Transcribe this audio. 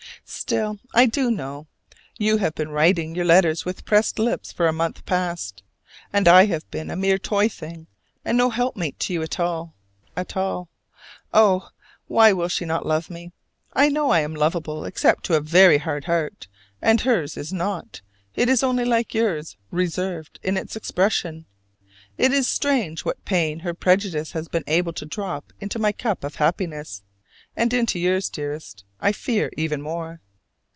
Still I do know. You have been writing your letters with pressed lips for a month past: and I have been a mere toy thing, and no helpmate to you at all at all. Oh, why will she not love me? I know I am lovable except to a very hard heart, and hers is not: it is only like yours, reserved in its expression. It is strange what pain her prejudice has been able to drop into my cup of happiness; and into yours, dearest, I fear, even more.